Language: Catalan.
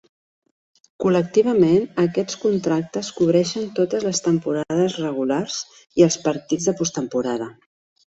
Col·lectivament, aquests contractes cobreixen totes les temporades regulars i els partits de postemporada.